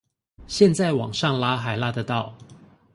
現在往上拉還拉得到